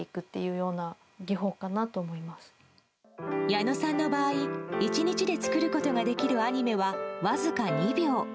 矢野さんの場合１日で作ることができるアニメはわずか２秒。